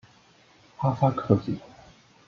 哈萨克族。